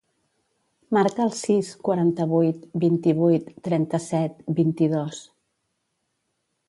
Marca el sis, quaranta-vuit, vint-i-vuit, trenta-set, vint-i-dos.